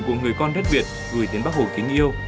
của người con đất việt gửi đến bác hồ kính yêu